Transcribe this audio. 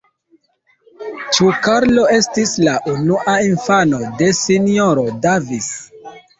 Ĉu Karlo estis la unua infano de S-ro Davis?